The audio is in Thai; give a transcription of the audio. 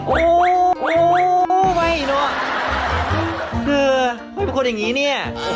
อ๋อโอ้โฮไม่หนูคือไม่มีคนอย่างนี้เนี่ย